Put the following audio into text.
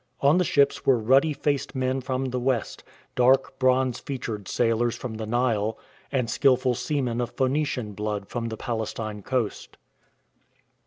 On the ships were ruddy faced men from the West, dark, bronze featured sailors from the Nile, and skilful seamen of Phoenician blood from the Palestine coast.